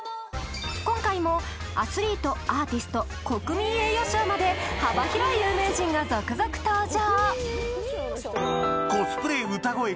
今回もアスリートアーティスト国民栄誉賞まで幅広い有名人が続々登場